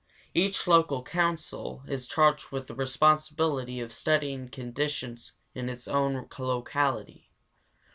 Each local council is charged with the responsibility of studying conditions in its own locality.